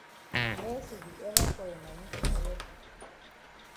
Mercy di ever call yi mami for helep yi.